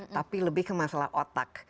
tapi lebih ke masalah otak